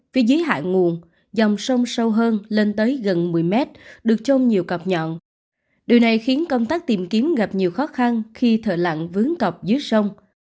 phía dưới hạng nguồn dòng sông sâu hơn lên tới gần một mươi mét được trông nhiều cọp nhọn điều này khiến công tác tìm kiếm gặp nhiều khó khăn khi thở lặn vướng cọp dưới sông